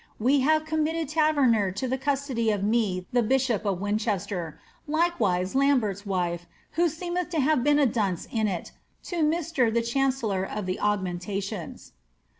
We have com mitted Taverner to the custody of me the bishop of Winchester ; like wise Lambert's %vife (who seemeth to have been a dunce in it), to Mr. the chancellor of the augmentations."